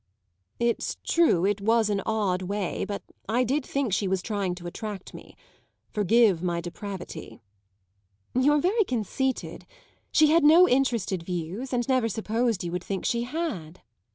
"It's true it was an odd way, but I did think she was trying to attract me. Forgive my depravity." "You're very conceited. She had no interested views, and never supposed you would think she had."